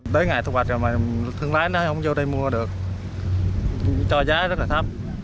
tới ngày thu hoạch rồi mà thương lái nó không vô đây mua được cho giá rất là thấp